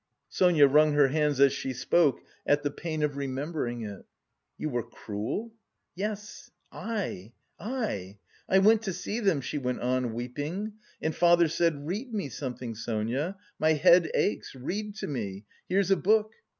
Sonia wrung her hands as she spoke at the pain of remembering it. "You were cruel?" "Yes, I I. I went to see them," she went on, weeping, "and father said, 'read me something, Sonia, my head aches, read to me, here's a book.